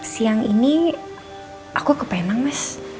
siang ini aku ke penang mas